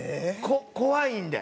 怖いんで。